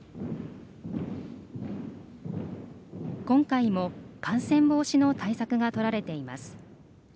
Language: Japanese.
今回も感染防止の対策がとられています。